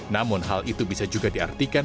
namun hal itu bisa juga diartikan